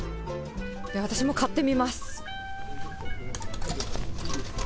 私も買ってみます。